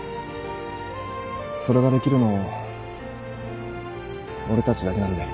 それができるの俺たちだけなんで。